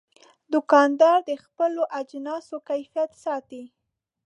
دوکاندار د خپلو اجناسو کیفیت ساتي.